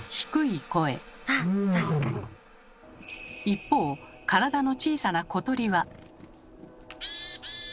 一方体の小さな小鳥は。